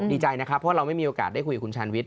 ดีใจนะครับเพราะเราไม่มีโอกาสได้คุยกับคุณชาญวิทย